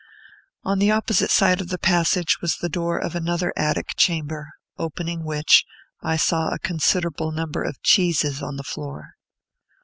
On the opposite side of the passage was the door of another attic chamber, opening which, I saw a considerable number of cheeses on the floor.